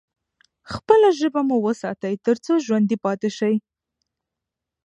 خپله ژبه مو وساتئ ترڅو ژوندي پاتې شئ.